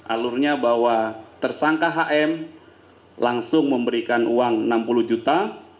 alurnya bahwa tersangka hm langsung memberikan uang enam puluh juta